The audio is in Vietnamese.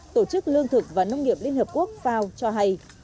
tổ chức lương thực và nông nghiệp liên hợp quốc fao cho hay